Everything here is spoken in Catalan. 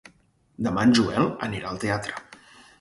Demà en Joel anirà al teatre.